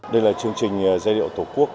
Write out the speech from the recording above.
đây là chương trình giai điệu tổ quốc